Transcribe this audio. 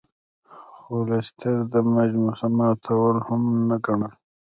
خو لیسټرډ د مجسمو ماتول مهم نه ګڼل.